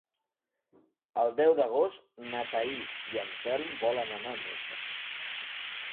El deu d'agost na Thaís i en Telm volen anar al metge.